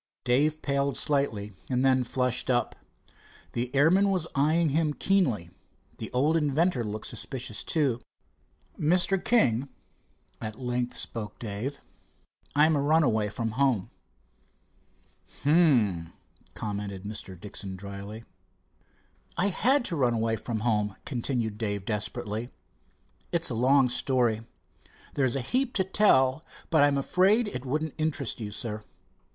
Dave paled slightly, and then flushed up. The airman was eyeing him keenly. The old inventor looked suspicious, too. "Mr. King," at length spoke Dave, "I am a runaway from home." "Hum!" commented Mr. Dixon dryly. "I had to run away from home," continued Dave desperately. "It's a long story. There's a heap to tell, but I'm afraid it wouldn't interest you, sir.